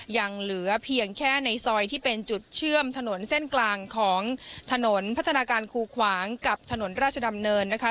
ยังเหลือเพียงแค่ในซอยที่เป็นจุดเชื่อมถนนเส้นกลางของถนนพัฒนาการคูขวางกับถนนราชดำเนินนะคะ